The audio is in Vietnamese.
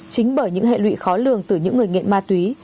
chính bởi những hệ lụy khó lường từ những người nghiện ma túy